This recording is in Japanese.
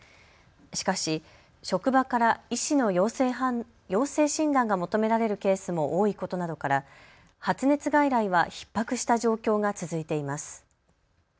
しかし職場から医師の陽性診断が求められるケースも多いことなどから発熱外来はひっ迫した状況が続いています。